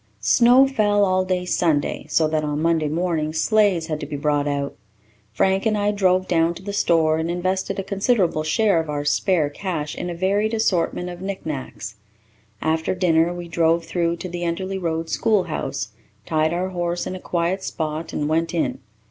Snow fell all day Sunday, so that, on Monday morning, sleighs had to be brought out. Frank and I drove down to the store and invested a considerable share of our spare cash in a varied assortment of knick knacks. After dinner we drove through to the Enderly Road schoolhouse, tied our horse in a quiet spot, and went in.